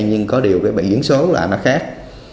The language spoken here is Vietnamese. nhưng có điều bị diễn số là nó khác